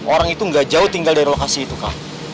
orang itu gak jauh tinggal dari lokasi itu kak